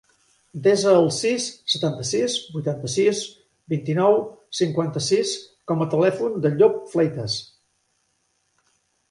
Desa el sis, setanta-sis, vuitanta-sis, vint-i-nou, cinquanta-sis com a telèfon del Llop Fleitas.